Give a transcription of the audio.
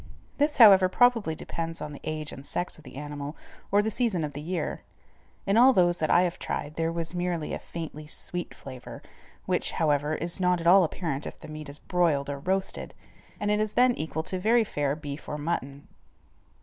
This, however, probably depends on the age and sex of the animal, or the season of year. In all those that I have tried there was merely a faintly sweet flavor, which, however, is not at all apparent if the meat is broiled or roasted, and it is then equal to very fair beef or mutton.